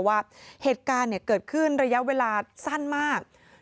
ว่าเหตุการณ์เกิดขึ้นระยะเวลาสั้นมาก